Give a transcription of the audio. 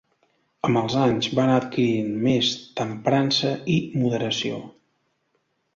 Amb els anys va anar adquirint més temprança i moderació.